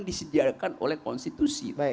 disediakan oleh konstitusi